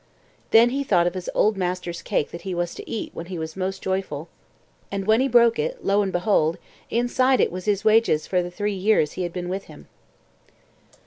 Then he thought of his old master's cake that he was to eat when he was most joyful, and when he broke it, to and behold, inside it was his wages for the three years he had been with him.